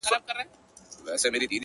• نه چي دا سپرلی دي بې وخته خزان سي,